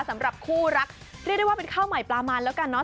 สำหรับคู่รักเรียกได้ว่าเป็นข้าวใหม่ปลามันแล้วกันเนอ